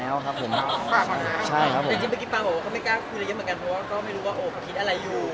แล้วถ่ายละครมันก็๘๙เดือนอะไรอย่างนี้